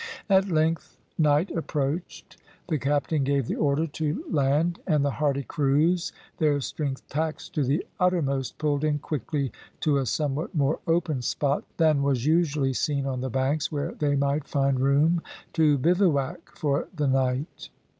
At length night approached; the captain gave the order to land, and the hardy crews, their strength taxed to the uttermost, pulled in quickly to a somewhat more open spot than was usually seen on the banks, where they might find room to bivouac for the night.